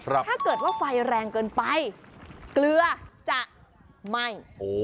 ถ้าเกิดว่าไฟแรงเกินไปเกลือจะไหม้